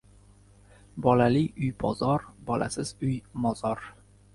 • Bolali uy — bozor, bolasiz uy — mozor.